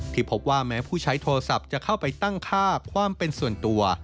พบว่าแม้ผู้ใช้โทรศัพท์จะเข้าไปตั้งค่าความเป็นส่วนตัว